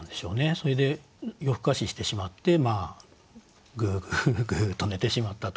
それで夜更かししてしまってぐうぐうぐうと寝てしまったと。